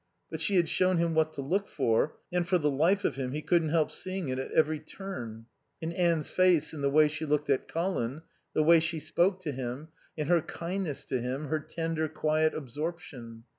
But she had shown him what to look for, and for the life of him he couldn't help seeing it at every turn: in Anne's face, in the way she looked at Colin, the way she spoke to him; in her kindness to him, her tender, quiet absorption.